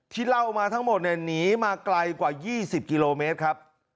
เล่ามาทั้งหมดเนี่ยหนีมาไกลกว่า๒๐กิโลเมตรครับ